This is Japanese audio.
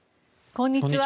こんにちは。